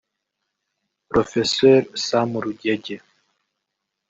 Prof Sam Rugege